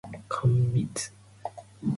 蜜柑